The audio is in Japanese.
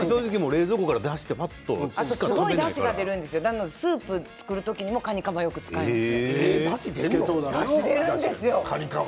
正直、冷蔵庫から出してすごく、いいだしが出るのでスープを作る時にもカニカマを使います。